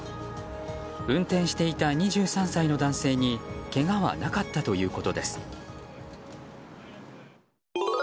運転していた２３歳の男性にけがはなかったということです。